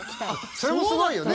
それもすごいよね。